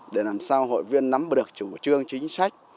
để làm sao hội viên nắm được chủ trương chính sách